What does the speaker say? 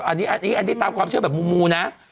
อันนี้ตามความเชื่อแบบมูนะ